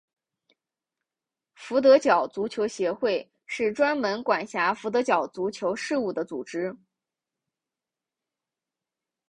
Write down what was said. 佛得角足球协会是专门管辖佛得角足球事务的组织。